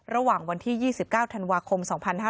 ระหว่างวันที่๒๙ธันวาคม๒๕๕๙